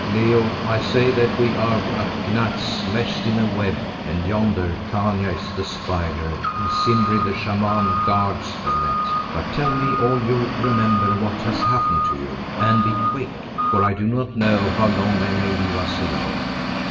Leo, I say that we are but gnats meshed in a web, and yonder Khania is the spider and Simbri the Shaman guards the net. But tell me all you remember of what has happened to you, and be quick, for I do not know how long they may leave us alone."